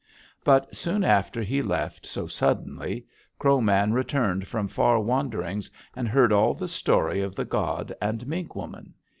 But soon after he left so suddenly, Crow Man returned from far wanderings and heard all the story of the god and Mink Woman.